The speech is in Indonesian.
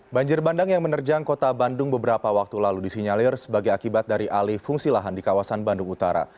banjir bandang yang menerjang kota bandung beberapa waktu lalu disinyalir sebagai akibat dari alih fungsi lahan di kawasan bandung utara